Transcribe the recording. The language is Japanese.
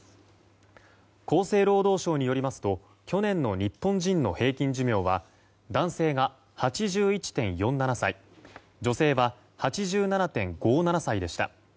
厚生労働省によりますと去年の日本人の平均寿命は男性が８１．４７歳女性は８７．５７歳でした。